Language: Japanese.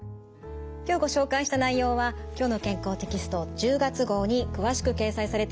今日ご紹介した内容は「きょうの健康」テキスト１０月号に詳しく掲載されています。